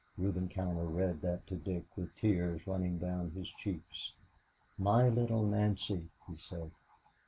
Reuben Cowder read that to Dick with tears running down his cheeks. "My little Nancy," he said.